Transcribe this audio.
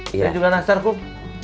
saya juga nastar kum